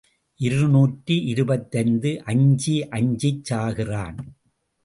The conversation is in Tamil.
இருநூற்று இருபத்தைந்து அஞ்சி அஞ்சிச் சாகிறான்.